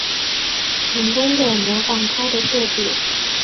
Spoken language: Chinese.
成功的模仿他的设计